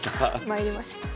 参りました。